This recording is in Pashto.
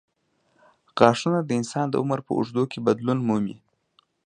غاښونه د انسان د عمر په اوږدو کې بدلون مومي.